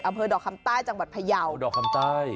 อำเภอดอกคำใต้จังหวัดพยาวดอกคำใต้